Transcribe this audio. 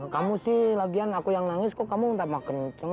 kamu sih lagian aku yang nangis kok kamu tambah kenceng